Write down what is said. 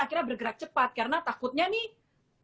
akhirnya bergerak cepat karena takutnya nih